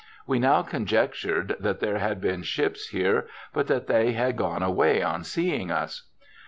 We now conjectured that there had been ships here, but that they had gone away on seeing us.